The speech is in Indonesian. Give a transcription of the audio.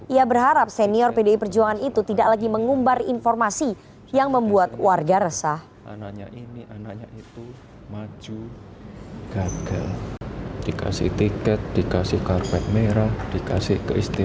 ia berharap senior pdi perjuangan itu tidak lagi mengumbar informasi yang membuat warga resah